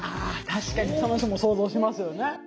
確かにその人も想像しますよね。